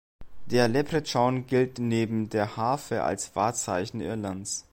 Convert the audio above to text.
Der Leprechaun gilt neben der Harfe als Wahrzeichen Irlands.